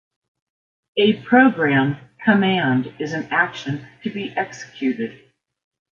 A program command is an action to be executed.